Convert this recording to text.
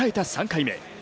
３回目。